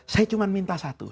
saya cuma minta satu